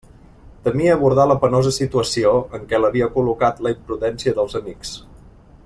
Temia abordar la penosa situació en què l'havia col·locat la imprudència dels amics.